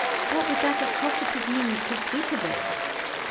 What would that have profited me to speak of it?